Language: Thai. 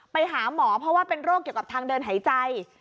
ไปหาหมอเพราะว่าเป็นโรคเกี่ยวกับทางเดินหายใจ